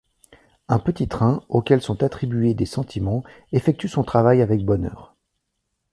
Un petit train, auxquels sont attribués des sentiments, effectue son travail avec bonheur.